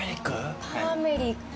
ターメリック？